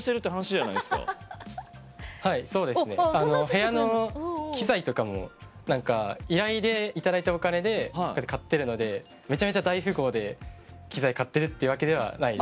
部屋の機材とかもなんか依頼でいただいたお金で買ってるのでめちゃくちゃ大富豪で機材買ってるってわけではない。